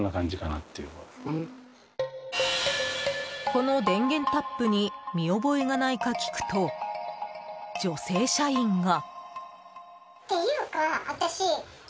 この電源タップに見覚えがないか聞くと女性社員が。